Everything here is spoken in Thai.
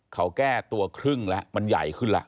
เขาแก้ตัวครึ่งแล้วมันใหญ่ขึ้นแล้ว